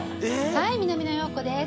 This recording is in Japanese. はい南野陽子です